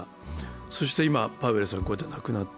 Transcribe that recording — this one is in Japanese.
そして今、パウエルさんはこうやって亡くなった。